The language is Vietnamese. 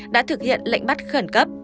đã thực hiện lệnh bắt khẩn cấp